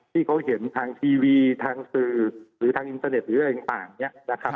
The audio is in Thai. ที่เขาเห็นทางทีวีทางสื่อหรือทางอินเทอร์เน็ตหรืออะไรต่างเนี่ยนะครับ